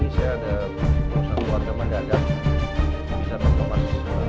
bisa pak thomas berhubungan dengan nama pak thomas